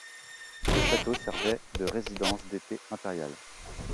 Le château servait de résidence d'été impériale.